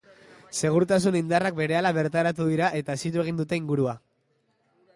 Segurtasun indarrak berehala bertaratu dira eta hesitu egin dute ingurua.